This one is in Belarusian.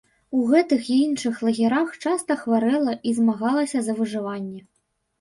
У гэтых і іншых лагерах часта хварэла і змагалася за выжыванне.